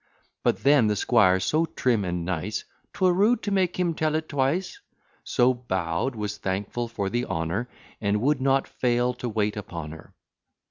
But then the squire so trim and nice, 'Twere rude to make him tell it twice; So bow'd, was thankful for the honour; And would not fail to wait upon her.